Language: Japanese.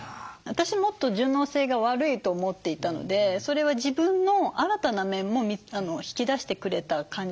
私もっと順応性が悪いと思っていたのでそれは自分の新たな面も引き出してくれた感じがします。